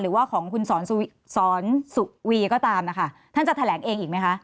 หรือว่าของคุณสอนสุวีก็ตามนะคะท่านจะแถลงเองอีกไหมคะ